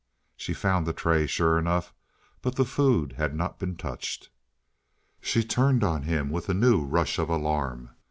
She found the tray, sure enough, but the food had not been touched. She turned on him with a new rush of alarm.